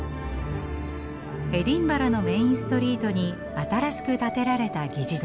エディンバラのメインストリートに新しく建てられた議事堂。